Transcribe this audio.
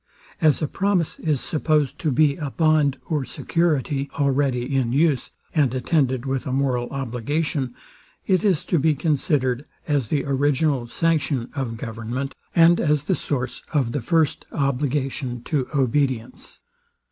As a promise is supposed to be a bond or security already in use, and attended with a moral obligation, it is to be considered as the original sanction of government, and as the source of the first obligation to obedience.